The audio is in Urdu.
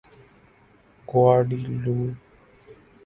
گواڈیلوپ